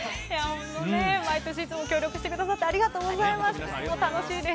本当ね、毎年いつも協力してくださってありがとうございます。